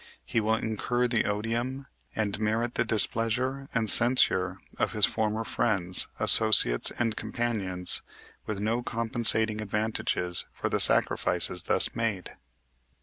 He will incur the odium, and merit the displeasure and censure of his former friends, associates, and companions with no compensating advantages for the sacrifices thus made."